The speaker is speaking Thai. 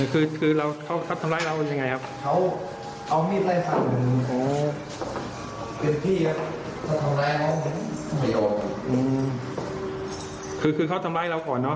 เขาถือมีดไล่ไล่ฟันหรือว่าไง